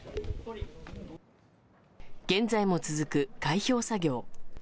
現在も続く開票作業。